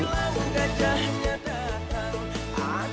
hilang gajahnya datang